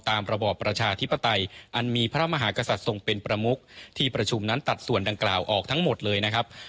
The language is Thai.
ระบอบประชาธิปไตยอันมีพระมหากษัตริย์ทรงเป็นประมุกที่ประชุมนั้นตัดส่วนดังกล่าวออกทั้งหมดเลยนะครับ